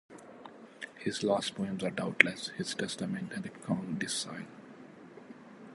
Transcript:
His last poems are doubtless his "Testament" and "Codicille".